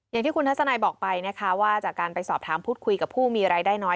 อย่างที่คุณทัศนัยบอกไปนะคะว่าจากการไปสอบถามพูดคุยกับผู้มีรายได้น้อย